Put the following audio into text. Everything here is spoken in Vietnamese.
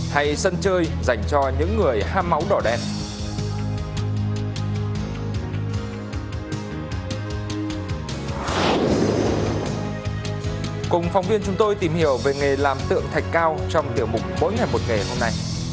hãy đăng ký kênh để ủng hộ kênh của chúng mình nhé